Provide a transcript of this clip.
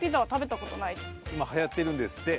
今はやってるんですって